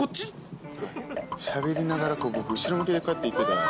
しゃべりながら、僕、後ろ向きでこうやって行ってて。